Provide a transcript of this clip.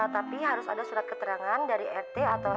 tapi harus ada surat keterangan dari rt atau rw